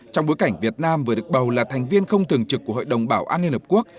trong bối cảnh việt nam vừa được bầu là thành viên không thường trực của hội đồng bảo an liên hợp quốc